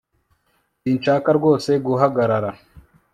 Sinshaka rwose guhagarara